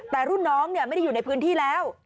แต่รุ่นน้องไม่ได้อยู่ในพื้นที่แล้ว